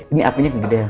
ini apinya kegedean